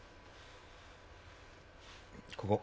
ここ。